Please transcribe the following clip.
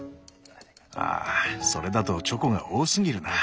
ああそれだとチョコが多すぎるな。